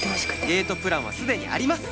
デートプランはすでにあります！